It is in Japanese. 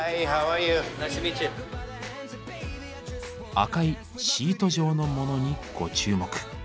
赤いシート状のモノにご注目。